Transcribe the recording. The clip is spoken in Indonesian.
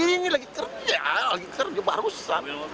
ini lagi kerja lagi kerja baru saat